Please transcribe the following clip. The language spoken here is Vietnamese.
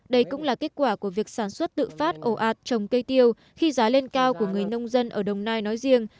đây cũng là kết quả của việc sản xuất tự phát ồ ạt trồng cây tiêu khi giá lên cao của người nông dân ở đồng nai nói riêng